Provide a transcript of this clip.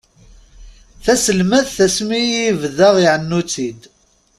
Taselmadt asmi i ibda iɛennu-tt-id.